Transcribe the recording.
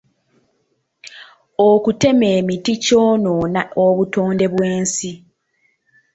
Okutema emiti kyonoona obutonde bw'ensi.